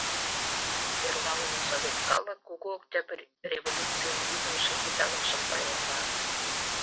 Эрла уло совет калык Кугу Октябрь революцийын визымше идалыкшым пайремла.